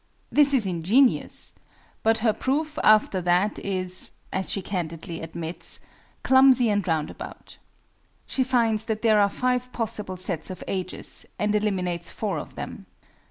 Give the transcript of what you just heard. This is ingenious, but her proof, after that, is (as she candidly admits) "clumsy and roundabout." She finds that there are 5 possible sets of ages, and eliminates four of them.